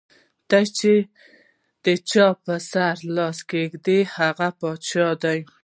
ته چې د چا پۀ سر لاس کېږدې ـ هغه باچا دے ـ